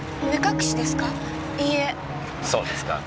そうですか。